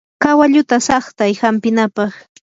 kawalluta saqtay hampinapaq.